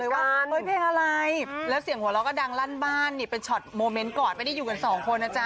ว่าเฮ้ยเพลงอะไรแล้วเสียงหัวเราก็ดังลั่นบ้านนี่เป็นช็อตโมเมนต์ก่อนไม่ได้อยู่กันสองคนนะจ๊